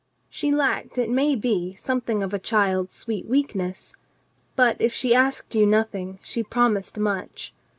She lacked, it may be, something of a child's sweet weakness, but, if she asked you nothing, she promised much.